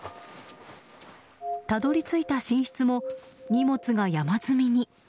たどり着いた寝室も荷物が山積みに。